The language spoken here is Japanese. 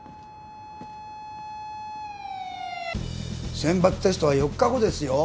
選抜テストは４日後ですよ。